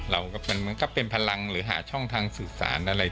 มันก็เป็นพลังหรือหาช่องทางสื่อสารอะไร